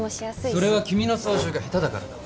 それは君の操縦が下手だからだ。